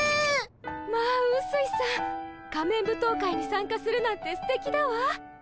まあうすいさん仮面舞踏会に参加するなんてすてきだわ。